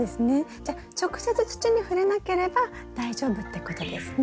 じゃあ直接土に触れなければ大丈夫ってことですね。